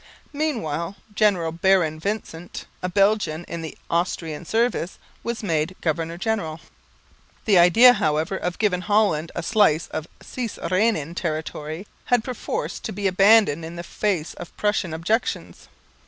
Meanwhile General Baron Vincent, a Belgian in the Austrian service, was made governor general. The idea, however, of giving to Holland a slice of cis Rhenan territory had perforce to be abandoned in the face of Prussian objections.